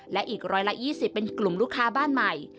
และอีก๑๒๐เป็นกลุ่มลูกค้าบ้านใหม่